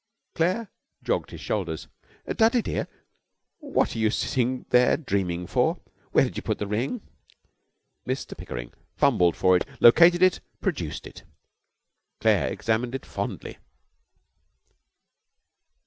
Claire jogged his shoulders. 'Dudley, dear, what are you sitting there dreaming for? Where did you put the ring?' Mr Pickering fumbled for it, located it, produced it. Claire examined it fondly.